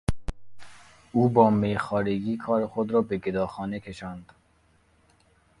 او با میخوارگی کار خود را به گداخانه کشاند.